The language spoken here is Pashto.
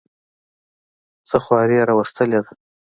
څه خواري یې راوستلې ده.